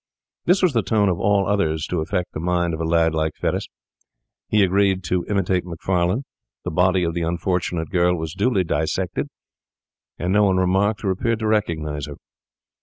This was the tone of all others to affect the mind of a lad like Fettes. He agreed to imitate Macfarlane. The body of the unfortunate girl was duly dissected, and no one remarked or appeared to recognise her.